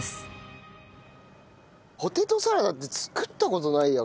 ポテトサラダって作った事ないや。